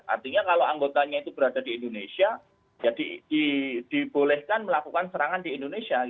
artinya kalau anggotanya itu berada di indonesia ya dibolehkan melakukan serangan di indonesia